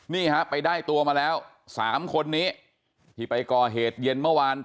นี่ฮะไปได้ตัวมาแล้ว๓คนนี้ที่ไปก่อเหตุเย็นเมื่อวาน